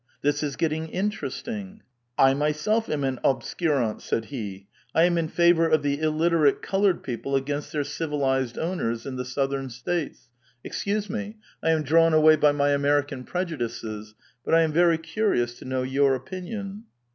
This is getting interesting. — I myself am an obsku rant^'* said he; '* I am in favor of the illiterate colored people against their civilized owners in the Southern States. Excuse me ; I am drawn away by my American prejudices ; but I am very curious to know your opinion."